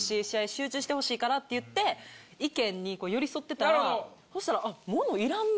集中してほしいからって言って意見に寄り添ってたらそしたら。